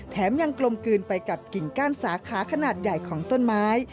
แถมยังกลมกลืนไปกับกิ่งก้านสาขาขนาดใหญ่ของต้นไม้